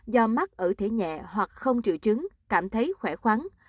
do mắc ở thể nhẹ hoặc không trự trứng cảm thấy khỏe khoắn